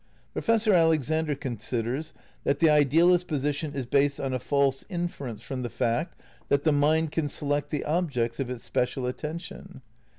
Professor Alexander considers that the idealist posi tion is based on a false inference from the fact that the mind can select the objects of its special attention.